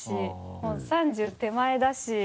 もう３０手前だし。